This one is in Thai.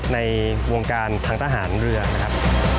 ในวงการทางทหารเรือนะครับ